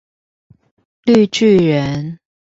綠巨人